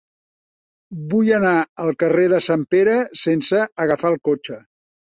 Vull anar al carrer de Sant Pere sense agafar el cotxe.